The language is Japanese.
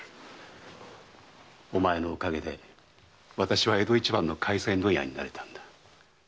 お前のおかげで私は江戸一番の廻船問屋になれたんだ。